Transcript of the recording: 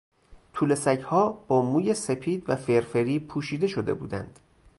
توله سگها با موی سپید و فرفری پوشیده شده بودند.